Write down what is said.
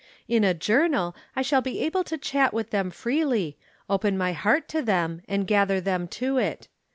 In a journal I shall be able to chat with them freely, open my heart to them and gather them to it.